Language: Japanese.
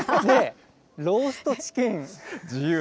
ローストチキン。